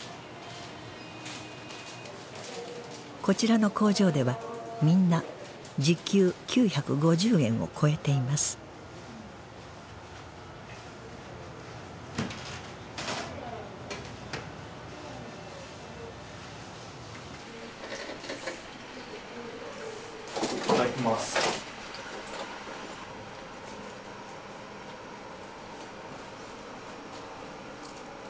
こちらの工場ではみんな時給９５０円を超えていますいただきます。